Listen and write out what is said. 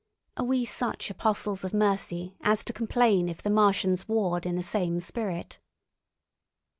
Are we such apostles of mercy as to complain if the Martians warred in the same spirit?